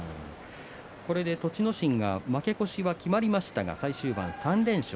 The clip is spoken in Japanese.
これで栃ノ心が負け越しが決まりましたが最終盤３連勝。